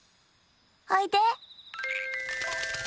おいで。